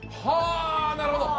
なるほど。